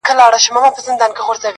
• له فرعون سره وزیر نوم یې هامان وو -